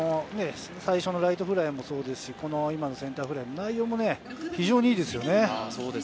最初のライトフライもそうですし、今のセンターフライも内容が非常にいいですよね。